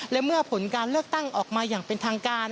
และเมื่อผลการเลือกตั้งออกมาอย่างเป็นทางการ